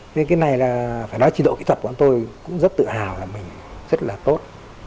nên cái này là phải nói chỉ đội kỹ thuật của tôi cũng rất tự hào là mình rất là tốt